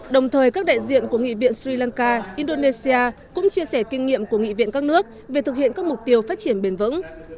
đồng thời các đại diện của nghị viện sri lanka indonesia cũng chia sẻ kinh nghiệm của nghị viện các nước về thực hiện các mục tiêu phát triển bền vững